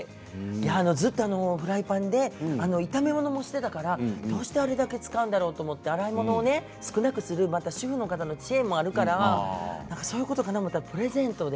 ずっとフライパンで炒め物もしていたからどうしてあれだけ使うんだろうと思って洗い物を少なくする主婦の方の知恵があるからそういうことかなと思ったらプレゼントで。